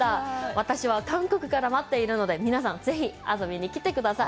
私は韓国で待っているので、皆さん、ぜひ遊びに来てください。